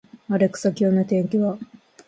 アレクサ、今日の天気は